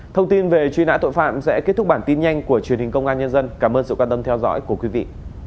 thông tin về truy nã tội phạm sẽ kết thúc bản tin nhanh của truyền hình công an nhân dân cảm ơn sự quan tâm theo dõi của quý vị